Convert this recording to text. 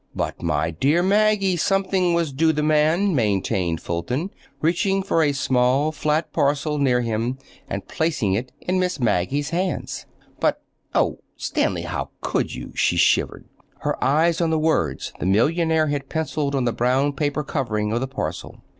"But, my dear Maggie, something was due the man," maintained Fulton, reaching for a small flat parcel near him and placing it in Miss Maggie's hands. "But—oh, Stanley, how could you?" she shivered, her eyes on the words the millionaire had penciled on the brown paper covering of the parcel.